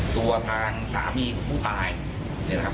ตัวทางสามีของผู้ตายเนี่ยนะครับ